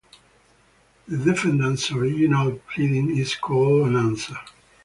The defendant's original pleading is called an answer.